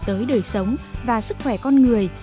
tới đời sống và sức khỏe con người